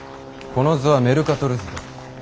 この図はメルカトル図だ。